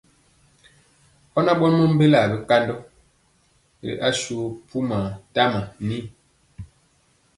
Ɔ na ɓɔmɔ mbelaa bikandɔ ri asu pumaa tama yi.